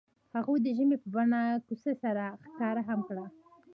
هغوی د ژمنې په بڼه کوڅه سره ښکاره هم کړه.